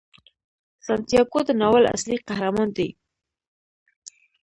سانتیاګو د ناول اصلي قهرمان دی.